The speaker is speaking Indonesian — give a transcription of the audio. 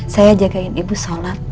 saya jagain ibu sholat